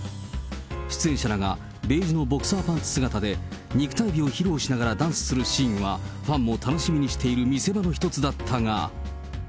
出演者らがベージュのボクサーパンツ姿で、肉体美を披露するダンスシーンは、ファンも楽しみにしている見せ場の一つだったが。